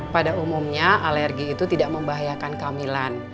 pada umumnya alergi itu tidak membahayakan kehamilan